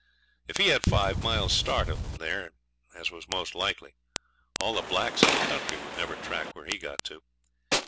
If he had five miles start of them there, as was most likely, all the blacks in the country would never track where he got to.